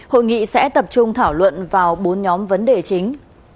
hội nghị sẽ tập trung thảo luận vào bốn nhóm vấn đề chính